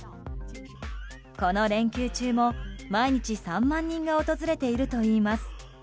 この連休中も毎日３万人が訪れているといいます。